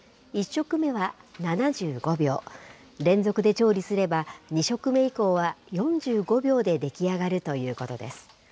１食目は７５秒、連続で調理すれば２食目以降は４５秒で出来上がるということです。